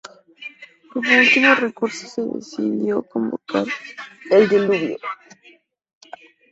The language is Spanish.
Como último recurso, se decidió convocar el diluvio.